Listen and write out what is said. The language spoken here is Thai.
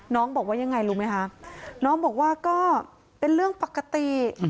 น้องบอกว่ายังไงรู้ไหมคะน้องบอกว่าก็เป็นเรื่องปกติ